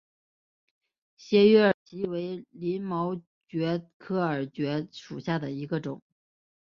斜羽耳蕨为鳞毛蕨科耳蕨属下的一个种。